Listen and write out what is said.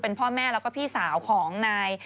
เป็นพ่อแม่แล้วก็พี่สาวของนาย